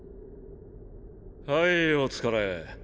はいお疲れ。